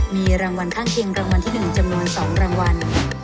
มีรางวัลข้างเคียงรางวัลที่๑จำนวน๒รางวัล